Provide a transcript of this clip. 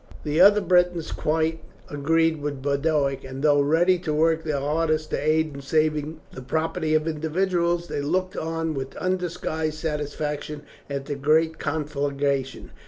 The other Britons quite agreed with Boduoc, and though ready to work their hardest to aid in saving the property of individuals, they looked on with undisguised satisfaction at the great conflagration.